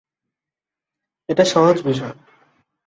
এটা সহজ বিষয়।